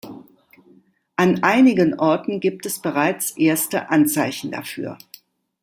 An einigen Orten gibt es bereits erste Anzeichen dafür.